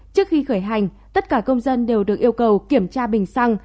trước khi khởi hành tất cả công dân đều được yêu cầu kiểm tra bình xăng